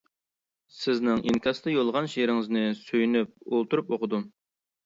سىزنىڭ ئىنكاستا يوللىغان شېئىرىڭىزنى سۆيۈنۈپ ئولتۇرۇپ ئوقۇدۇم.